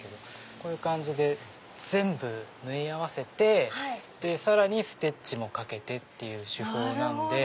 こういう感じで全部縫い合わせてさらにステッチもかけてっていう手法なんで。